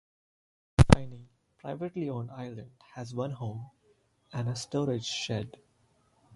The tiny, privately owned island has one home and a storage shed.